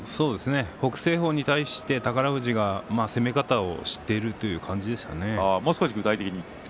北青鵬に対して宝富士は攻め方を知っているという感じですね。